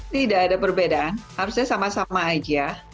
tidak ada perbedaan harusnya sama sama aja